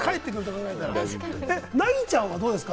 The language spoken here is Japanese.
凪ちゃんはどうですか？